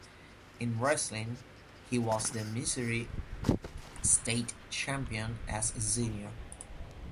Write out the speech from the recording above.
In wrestling, he was the Missouri State Champion as a senior.